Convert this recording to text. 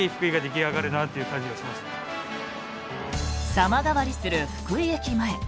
様変わりする福井駅前。